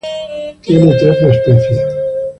Tiene trece especies.